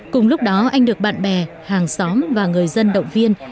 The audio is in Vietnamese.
cùng lúc đó anh được bạn bè hàng xóm và người dân động viên